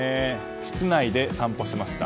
室内で散歩しました。